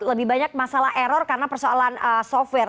lebih banyak masalah error karena persoalan software